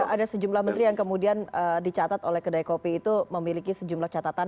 ada sejumlah menteri yang kemudian dicatat oleh kedai kopi itu memiliki sejumlah catatan